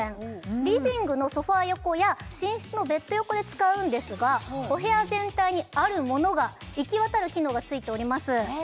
リビングのソファ横や寝室のベッド横で使うんですがお部屋全体にあるものが行き渡る機能が付いております